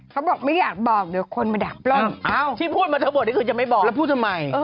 เขาบอกว่าเกิน๕ล้านไม่ถึง๑๐ล้านใช่ไหม